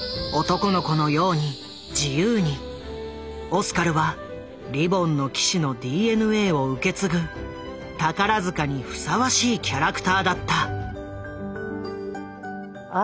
オスカルは「リボンの騎士」のＤＮＡを受け継ぐ宝塚にふさわしいキャラクターだった。